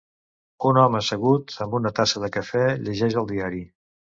Un home assegut amb una tassa de cafè llegeix el diari.